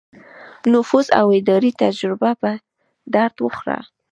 نفوذ او اداري تجربه په درد وخوړه.